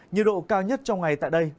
nhiệt độ cao nhất trong ngày tại đây